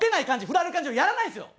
フラれる感じをやらないんですよ。